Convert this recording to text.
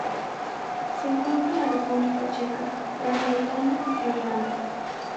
Se encuentra en la República Checa, Gran Bretaña, e Irlanda.